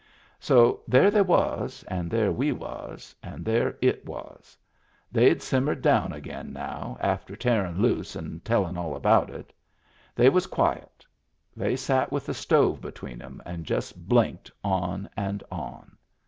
So there they was, and there we was, and there it was. They'd simmered down again now, after tearin' loose and tellin' all about it. They was quiet. They sat with the stove between 'em and just blinked on and on.